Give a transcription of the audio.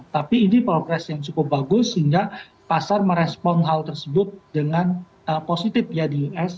tapi ini progress yang cukup bagus sehingga pasar merespon hal tersebut dengan positif ya di us